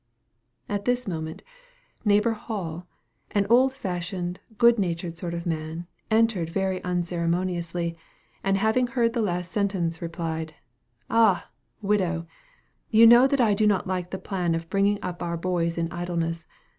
At this moment, neighbor Hall, an old fashioned, good natured sort of a man, entered very unceremoniously, and having heard the last sentence, replied: "Ah! widow, you know that I do not like the plan of bringing up our boys in idleness.